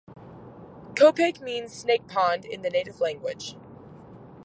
"Copake" means "snake pond" in the native language.